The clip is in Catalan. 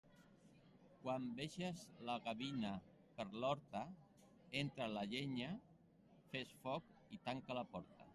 Quan veges la gavina per l'horta, entra la llenya, fes foc i tanca la porta.